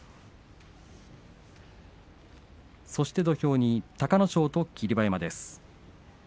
土俵には隆の勝と霧馬山です。